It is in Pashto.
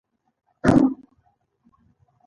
احمده! چې پر يوه پښه هم راته ودرېږي؛ دا کار نه کوم.